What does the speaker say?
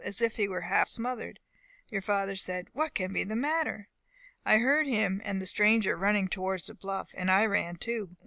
as if he was half smothered. Your father said, 'What can be the matter?' I heard him and the stranger running towards the bluff, and I ran too.